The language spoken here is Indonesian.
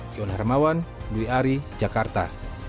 iwan hermawan dwi ari jakarta